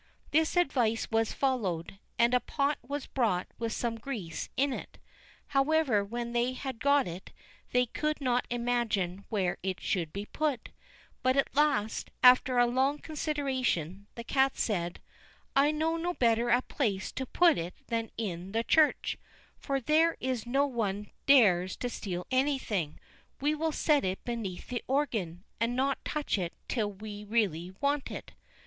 This advice was followed, and a pot was brought with some grease in it. However, when they had got it, they could not imagine where it should be put; but at last, after a long consideration, the cat said: "I know no better place to put it than in the church, for there no one dares to steal anything; we will set it beneath the organ, and not touch it till we really want it."